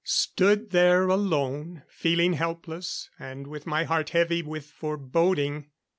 Stood there alone, feeling helpless and with my heart heavy with foreboding.